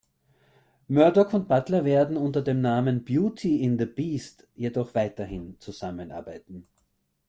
Murdock und Butler werden unter dem Namen Beauty in the Beast jedoch weiterhin zusammenarbeiten.